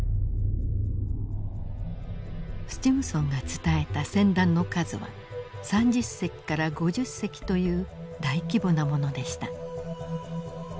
スチムソンが伝えた船団の数は３０隻から５０隻という大規模なものでした。